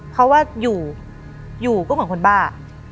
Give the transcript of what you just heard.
เพราะว่าอยู่ก็เหมือนคนบ้า